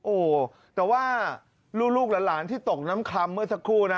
โอ้โหแต่ว่าลูกหลานที่ตกน้ำคลำเมื่อสักครู่นะ